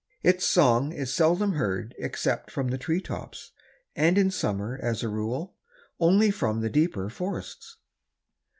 Its song is seldom heard except from the tree tops, and in summer, as a rule, only from the deeper forests.